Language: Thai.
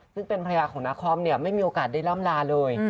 ซึ่งเป็นภรรยาของนาคอมเนี่ยไม่มีโอกาสได้ล่ำลาเลย